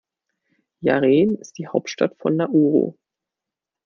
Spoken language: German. Yaren ist die Hauptstadt von Nauru.